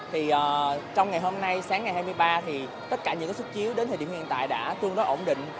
thì trong ngày hôm nay sáng ngày hai mươi ba thì tất cả những cái xuất chiếu đến thời điểm hiện tại đã tương đối ổn định